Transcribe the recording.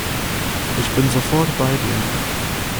Ich bin sofort bei dir.